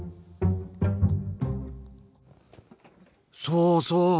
そうそう！